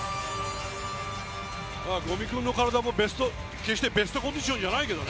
五味君の体も決してベストコンディションじゃないけどね。